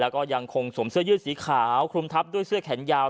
แล้วก็ยังคงสวมเสื้อยืดสีขาวคลุมทับด้วยเสื้อแขนยาว